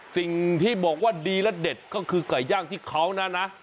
สิ่งที่บอกว่าดีและเด็ดก็คือไก่ย่างที่เขานะนะ